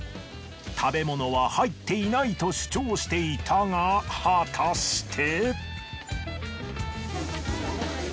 食べ物は入っていないと主張していたが果たして？